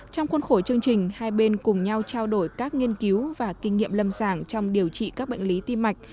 trong khuôn khổ chương trình hai bên cùng nhau trao đổi các nghiên cứu và kinh nghiệm lâm sàng trong điều trị các bệnh lý tim mạch